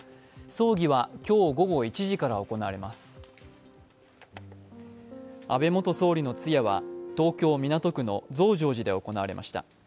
葬儀は今日午後１時から行われます安倍元総理の通夜は東京・港区の増上寺で行われました。